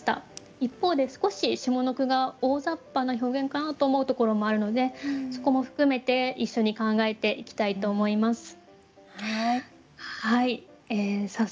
一方で少し下の句が大ざっぱな表現かなと思うところもあるのでそこも含めて一緒に考えていきたいと思います。